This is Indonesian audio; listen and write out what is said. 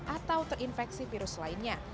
atau terinfeksi virus lainnya